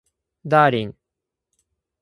ダーリン